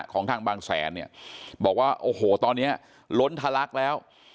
ของทางบางแสนเนี่ยบอกว่าโอ้โหตอนนี้ล้นทะลักแล้ว